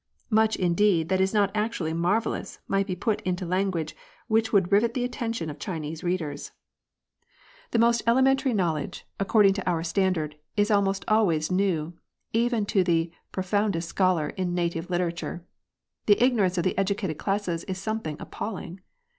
Much indeed that is not actually marvellous might be put into language which would rivet the attention of Chinese readers. I70 JOURNALISM. The most elementary knowledge, according to our standard, is almost always new, even to the profound est scholar in native literature : the ignorance of the educated classes is something appalling.